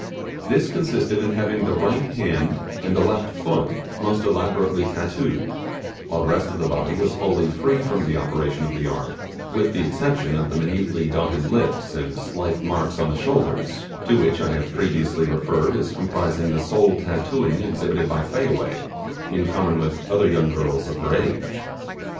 This consisted in having the right hand and the left foot most elaborately tattooed; whilst the rest of the body was wholly free from the operation of the art, with the exception of the minutely dotted lips and slight marks on the shoulders, to which I have previously referred as comprising the sole tattooing exhibited by Fayaway, in common with other young girls of her age.